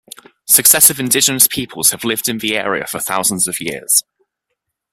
Successive indigenous peoples had lived in the area for thousands of years.